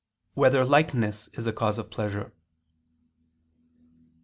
7] Whether Likeness Is a Cause of Pleasure?